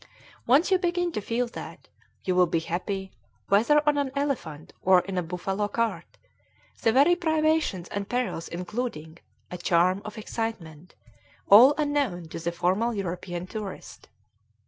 Once you begin to feel that, you will be happy, whether on an elephant or in a buffalo cart, the very privations and perils including a charm of excitement all unknown to the formal European tourist.